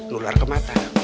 nular ke mata